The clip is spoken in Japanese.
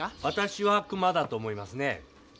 私は熊だと思いますね。